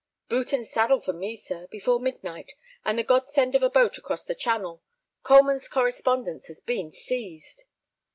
"Boot and saddle for me, sir, before midnight, and the godsend of a boat across the Channel. Coleman's correspondence has been seized."